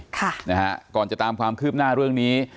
ค่ะนะฮะก่อนจะตามความคืบหน้าเรื่องนี้